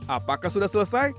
apakah sudah selesai